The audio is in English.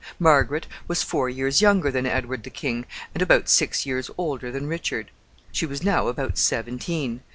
Margaret was four years younger than Edward the king, and about six years older than Richard. She was now about seventeen.